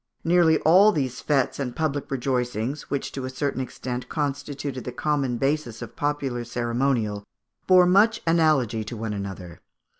Nearly all these fêtes and public rejoicings, which to a certain extent constituted the common basis of popular ceremonial, bore much analogy to one another.